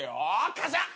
カシャッ！